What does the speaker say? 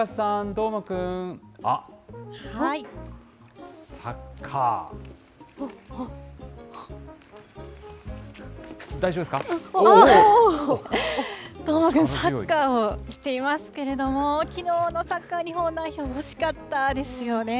どーもくん、サッカーをしていますけれども、きのうのサッカー日本代表、惜しかったですよね。